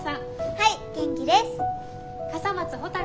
はい元気です。